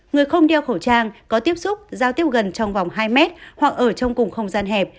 người không đeo khẩu trang có tiếp xúc giao tiếp gần trong vòng hai mét hoặc ở trong cùng không gian hẹp